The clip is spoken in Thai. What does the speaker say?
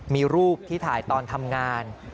มีรูปที่ถ่ายตอนทำงาน